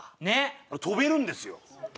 あれ飛べるんですよ。